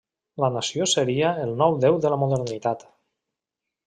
La nació seria el nou Déu de la modernitat.